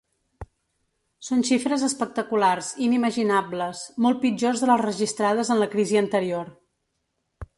Són xifres espectaculars, inimaginables, molt pitjors de les registrades en la crisi anterior.